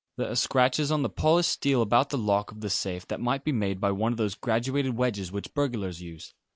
There are scratches on the polished steel about the lock of the safe that might be made by one of those graduated wedges which burglars use.